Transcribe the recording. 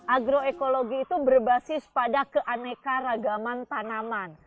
agroekologi itu berbasis pada keaneka ragaman tanaman